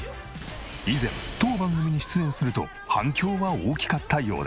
以前当番組に出演すると反響は大きかったようで。